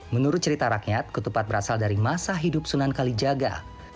menurut cerita rakyat ketupat berasal dari masa hidup sunan kalijaga